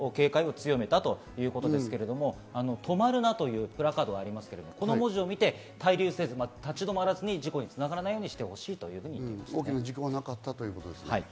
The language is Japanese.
警視庁は韓国の事故を受けて、一層警戒を強めたということですけれども、止まるなというプラカードがありますけれども、この文字を見て、対流せず立ち止まらずに事故に繋がらないようにしてほしいということでしたね。